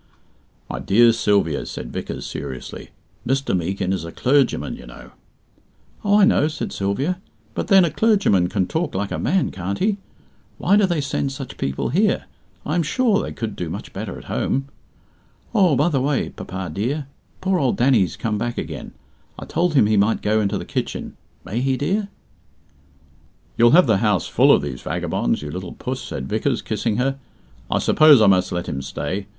"My dear Sylvia," said Vickers, seriously, "Mr. Meekin is a clergyman, you know." "Oh, I know," said Sylvia, "but then, a clergyman can talk like a man, can't he? Why do they send such people here? I am sure they could do much better at home. Oh, by the way, papa dear, poor old Danny's come back again. I told him he might go into the kitchen. May he, dear?" "You'll have the house full of these vagabonds, you little puss," said Vickers, kissing her. "I suppose I must let him stay.